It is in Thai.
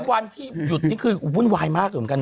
๓วันที่หยุดนี่มันมีวุ่นวายมากจริงน้อย